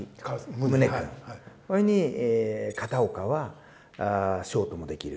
川それに片岡はショートもできる。